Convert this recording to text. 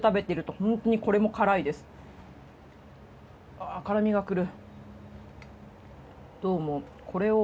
あぁ辛みがくる。